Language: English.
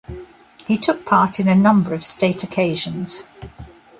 He took part in a number of state occasions.